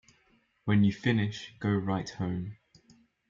When you finish, go right home.